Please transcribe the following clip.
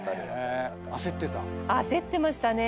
焦ってましたね。